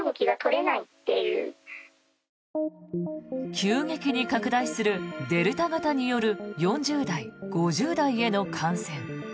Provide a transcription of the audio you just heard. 急激に拡大するデルタ型による４０代、５０代への感染。